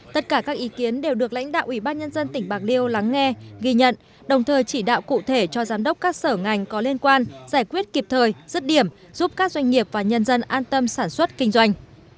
lãnh đạo cụ thể cho giám đốc các sở ngành có liên quan giải quyết kịp thời dứt điểm giúp các doanh nghiệp và nhân dân an tâm sản xuất kinh doanh